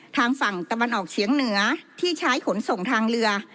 ทางฝั่งตะวันออกเฉียงเหนือที่ใช้ขนส่งทางเรือ